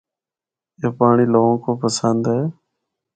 اے پانڑی لوگاں کو پسند ہے۔